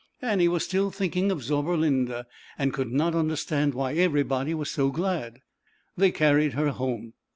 Annie was still thinking of Zauberlinda and could not understand why everybody was so glad. They carried her home.